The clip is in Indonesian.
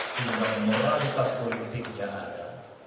sebagai moralitas politik yang ada